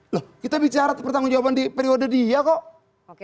loh kita bicara pertanggung jawaban di periode dia kok